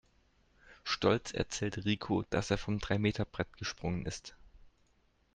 Stolz erzählt Rico, dass er vom Dreimeterbrett gesprungen ist.